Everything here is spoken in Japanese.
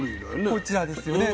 こちらですよね。